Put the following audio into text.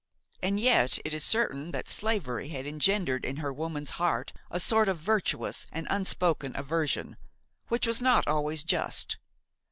And yet it is certain that slavery had engendered in her woman's heart a sort of virtuous and unspoken aversion which was not always just.